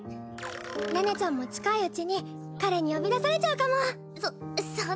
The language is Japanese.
寧々ちゃんも近いうちに彼に呼び出されちゃうかもそ